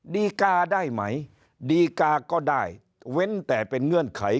ดีกาได้ไหมดีกาก็ได้เว้นแต่เป็นเงื่อนไข